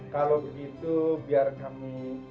kalau begitu biar kami